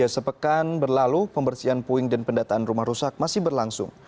sepekan berlalu pembersihan puing dan pendataan rumah rusak masih berlangsung